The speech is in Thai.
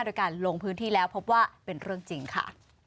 โดยการลงพื้นที่แล้วพบว่าเป็นเรื่องจริงค่ะ